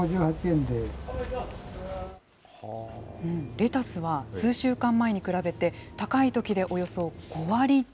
レタスは数週間前に比べて、高いときでおよそ５割高。